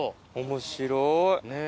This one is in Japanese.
面白い。